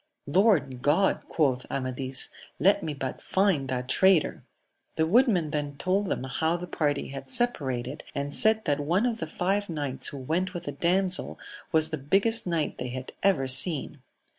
Lord God ! quoth Amadis : let me but find that traitor 1 — The woodmen then told them how the party had separated, and said that one of the five knights who went with the damsel was the biggest knight they had ever seen.